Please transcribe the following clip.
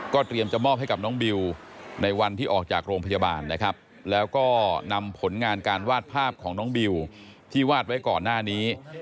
เตรียมจะมอบให้กับน้องบิวในวันที่ออกจากโรงพยาบาลนะครับแล้วก็นำผลงานการวาดภาพของน้องบิวที่วาดไว้ก่อนหน้านี้